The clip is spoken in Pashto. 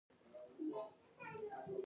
ازادي راډیو د روغتیا بدلونونه څارلي.